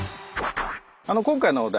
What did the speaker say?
今回のお題